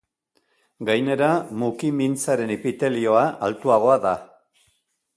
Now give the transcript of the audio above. Gainera, muki mintzaren epitelioa altuagoa da.